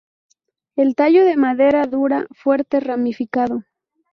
El tallo de madera dura, fuerte, ramificado.